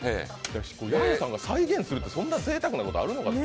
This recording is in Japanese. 弥平さんが再現するって、そんなぜいたくなことがあるのかと。